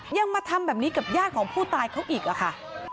ยังมาทำแบบนี้กับญาติของผู้ตายเขาอีกอะค่ะ